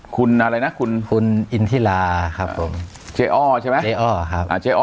คุณอะไรนะคุณคุณอินฮิราหรือครับผมเจ็อ่อใช่ไหมเอออ่อ